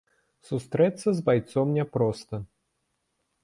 Сустрэцца з байцом няпроста.